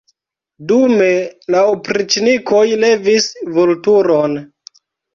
Dume la opriĉnikoj levis Vulturon.